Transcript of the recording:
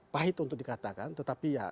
pahit untuk dikatakan tetapi ya